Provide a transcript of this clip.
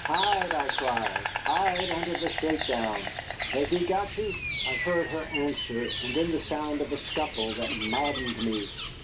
"Hide!" I cried, "hide under the shake down! Has he got you?" I heard her answer, and then the sound of a scuffle that maddened me.